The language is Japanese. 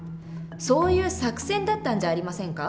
そういう作戦だったんじゃありませんか？